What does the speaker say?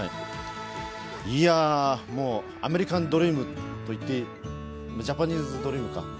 いやもう、アメリカンドリームといってジャパニーズドリームか。